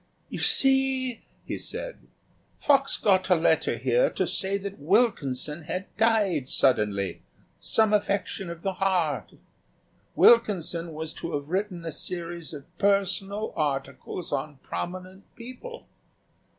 "You see," he said, "Fox got a letter here to say that Wilkinson had died suddenly some affection of the heart. Wilkinson was to have written a series of personal articles on prominent people.